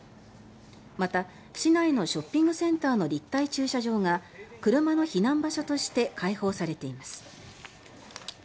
また市内のショッピングセンターの立体駐車場が車の避難場所として開放されています。